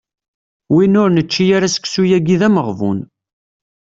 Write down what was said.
Win ur nečči ara seksu-yagi d ameɣbun.